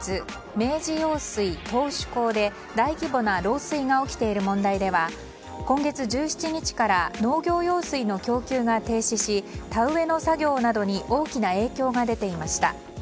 明治用水頭首工で大規模な漏水が起きている問題では、今月１７日から農業用水の供給が停止し田植えの作業などに大きな影響が出ていました。